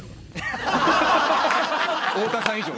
太田さん以上に。